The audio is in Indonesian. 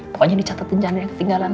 pokoknya dicatatin jalan yang ketinggalan